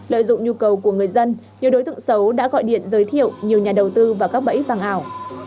lợi dụng nhu cầu của người dân nhiều đối tượng xấu đã gọi điện giới thiệu nhiều nhà đầu tư vào các bẫy vàng ảo